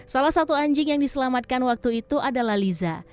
selama ini anjing anjing yang diselamatkan adalah liza